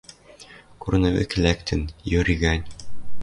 Корны вӹкӹ лӓктӹн, йори гань.